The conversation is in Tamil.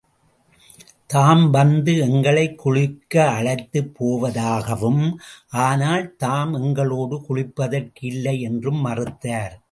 தாம் வந்து எங்களைக் குளிக்க அழைத்துப் போவதாகவும், ஆனால் தாம் எங்களோடு குளிப்பதற்கு இல்லை என்றும் மறுத்தார்.